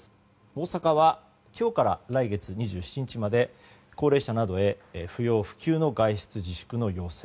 大阪は、今日から来月２７日まで高齢者などへ不要不急の外出自粛の要請。